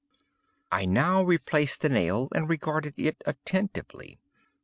"I now replaced the nail and regarded it attentively.